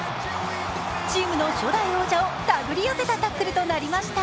チームの初代王者をたぐり寄せたタックルとなりました。